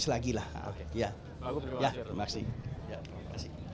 saya rasa kewenangan mereka agar lebih esensial